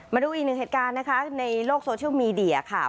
มาดูอีกหนึ่งเหตุการณ์นะคะในโลกโซเชียลมีเดียค่ะ